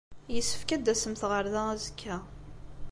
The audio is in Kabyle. Yessefk ad d-tasemt ɣer da azekka.